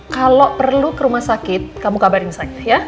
kalo perlu ke rumah sakit kamu kabarin sakit ya